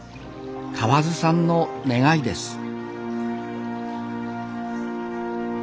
河津さんの願いです